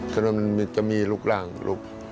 ถนนจะมีลูกร่างลูก